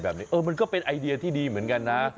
มันก็เป็นไอเดียที่ดีเหมือนกันนะ